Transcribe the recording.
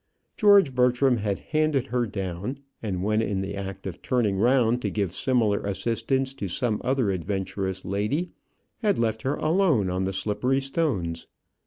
George Bertram had handed her down, and when in the act of turning round to give similar assistance to some other adventurous lady, had left her alone on the slippery stones.